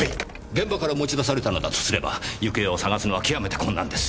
現場から持ち出されたのだとすればゆくえを捜すのは極めて困難です。